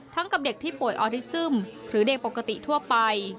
กับเด็กที่ป่วยออริซึมหรือเด็กปกติทั่วไป